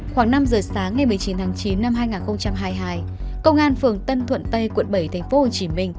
khoảng năm giờ sáng ngày một mươi chín tháng chín năm hai nghìn hai mươi hai công an phường tân thuận tây quận bảy tp hcm